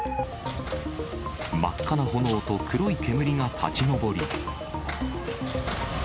真っ赤な炎と黒い煙が立ち上り。